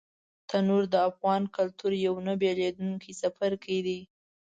تنور د افغان کلتور یو نه بېلېدونکی څپرکی دی